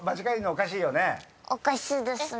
おかしいですね。